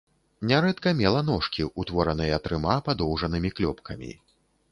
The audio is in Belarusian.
Нярэдка мела ножкі, утвораныя трыма падоўжанымі клёпкамі.